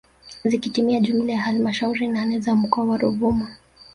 Zikitimia jumla ya halmashauri nane za mkoa wa Ruvuma